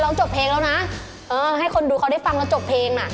แล้วเจอกันเองแล้วนะให้คนดูเขาได้ฟังแล้วจบเพลง